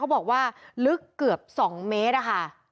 บอกว่าลึกเกือบ๒เมตรอะค่ะ